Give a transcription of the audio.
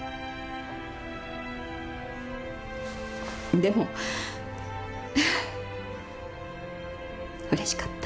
でも嬉しかった。